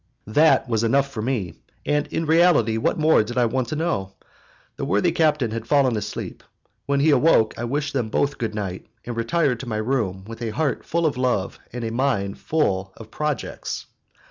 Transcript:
That was enough for me, and in reality what more did I want to know? The worthy captain had fallen asleep. When he awoke I wished them both good night, and retired to my room with a heart full of love and a mind full of projects.